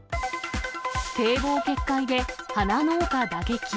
堤防決壊で花農家打撃。